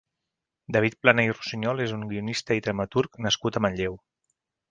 David Plana i Rusiñol és un guionistat i dramaturg nascut a Manlleu.